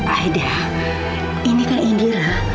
aida ini kan indira